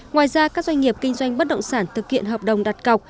ngoài ra các doanh nghiệp kinh doanh bất động sản thực hiện hợp đồng đặt cọc